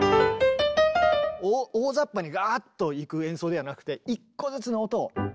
大ざっぱにガーッといく演奏ではなくて１個ずつの音を。